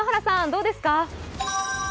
どうですか？